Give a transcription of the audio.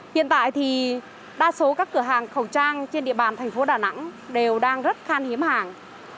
hiện tại thì đa số các cửa hàng khẩu trang trên địa bàn thành phố đà nẵng đều đang rất khan hiếm hàng